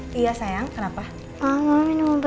diager aja genggam tapi basketnya panjang ya